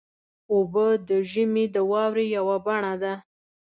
اوبه د ژمي د واورې یوه بڼه ده.